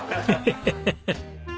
ヘヘヘヘッ。